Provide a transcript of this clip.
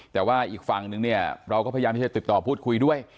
แต่ว่าอีกฝั่งนึงเนี่ยเราก็พยายามที่จะติดต่อพูดคุยด้วย